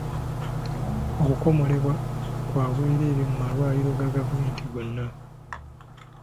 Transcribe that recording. Okukomolebwa kwa bwerere mu malwaliro ga gavumenti gonna.